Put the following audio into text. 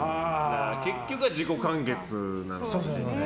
結局は自己完結なんですね。